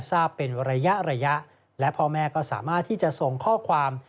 ระยะและพ่อแม่ก็สามารถที่จะส่งข้อความ